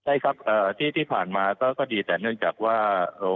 ใช่ครับที่ผ่านมาก็ดีแต่เนื่องจากว่า